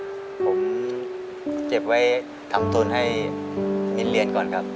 ผมเก็บไว้ทำทุนให้มิ้นเรียนก่อนครับ